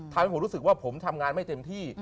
ทำให้ผมรู้สึกว่าผมทำงานไม่เต็มที่